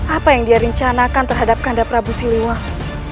apa yang dia rencanakan terhadap kanda prabu siliwangi